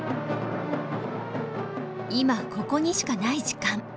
今ここにしかない時間。